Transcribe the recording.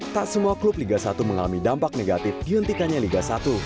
tak semua klub liga satu mengalami dampak negatif dihentikannya liga satu